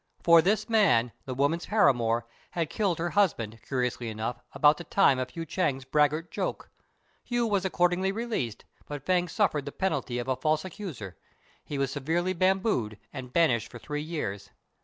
For this man, the woman's paramour, had killed her husband, curiously enough, about the time of Hu Chêng's braggart joke. Hu was accordingly released, but Fêng suffered the penalty of a false accuser; he was severely bambooed, and banished for three years.